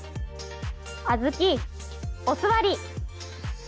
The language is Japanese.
あずきお座り。